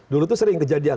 dulu itu sering kejadian